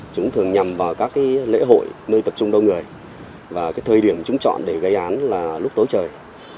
chúng thường nhằm vào các lễ hội nơi tập trung đông người và cái thời điểm chúng chọn để gây án là lúc tối trời